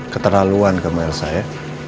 keterlaluan gamel saya